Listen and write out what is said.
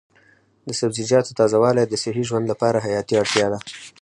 د سبزیجاتو تازه والي د صحي ژوند لپاره حیاتي اړتیا ده.